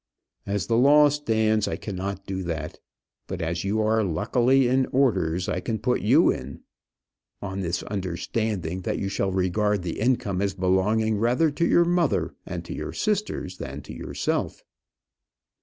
"As the law stands I cannot do that. But as you are luckily in orders, I can put you in on this understanding, that you shall regard the income as belonging rather to your mother and to your sisters than to yourself."